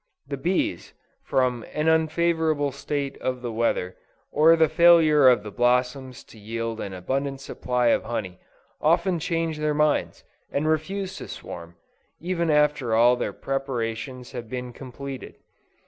The bees, from an unfavorable state of the weather, or the failure of the blossoms to yield an abundant supply of honey, often change their minds, and refuse to swarm, even after all their preparations have been completed.